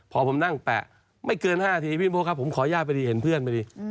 พอผมนั่งแปะไม่เกิน๕นาทีพี่บุ๊คครับผมขออนุญาตพอดีเห็นเพื่อนพอดี